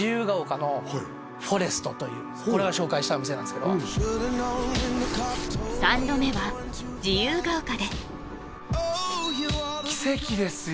そこがというこれが紹介したいお店なんですけど三度目は自由が丘で奇跡ですよ